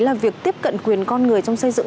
là việc tiếp cận quyền con người trong xây dựng